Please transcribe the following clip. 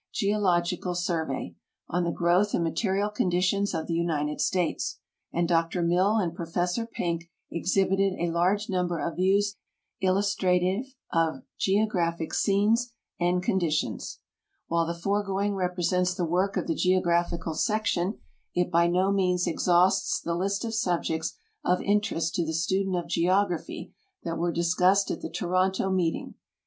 Geological Sur vey, on the Growth and Material Conditions of the United States, and Dr Mill and Prof. Penck exhibited a large number of views illustrative of geographic scenes and conditions. While the foregoing represents the work of the Geographical Section, it by no means exhausts the list of subjects of interest to the student of geography that were discussed at the Toronto meeting.